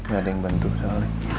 gak ada yang bantu soalnya